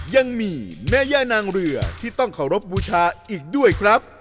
ยังมีแม่ย่านางเรือที่ต้องเคารพบูชาอีกด้วยครับ